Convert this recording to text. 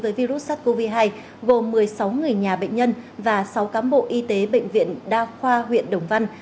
với virus sars cov hai gồm một mươi sáu người nhà bệnh nhân và sáu cám bộ y tế bệnh viện đa khoa huyện đồng văn